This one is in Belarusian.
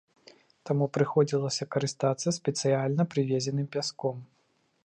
Таму прыходзілася карыстацца спецыяльна прывезеным пяском.